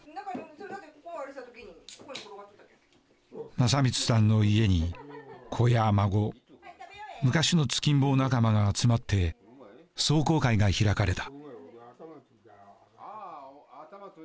正光さんの家に子や孫昔の突きん棒仲間が集まって壮行会が開かれた。